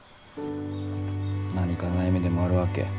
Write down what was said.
何か悩みでもあるわけ？